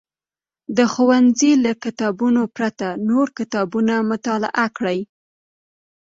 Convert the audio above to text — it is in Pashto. د ښوونځي له کتابونو پرته نور کتابونه مطالعه کړي.